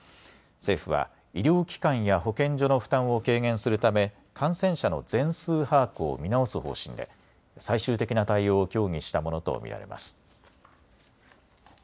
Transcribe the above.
政府は医療機関や保健所の負担を軽減するため感染者の全数把握を見直す方針で最終的な対応を協議したものと見られます。